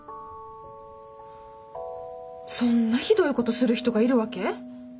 そんなひどいことする人がいるわけ？